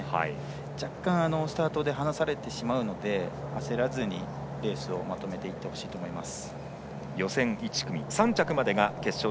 若干スタートで離されてしまうので焦らずにレースをまとめていってほしいです。